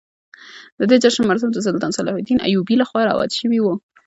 د دې جشن مراسم د سلطان صلاح الدین ایوبي لخوا رواج شوي وو.